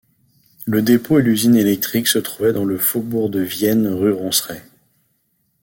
Le dépôt et l'usine électrique se trouvait dans le faubourg de Vienne rue Roncerais.